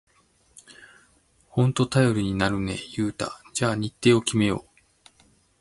ほんと頼りになるね、ユウタ。じゃあ日程を決めよう！